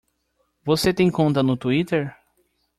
Você tem conta no Twitter?